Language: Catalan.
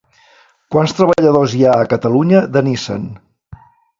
Quants treballadors hi ha a Catalunya de Nissan?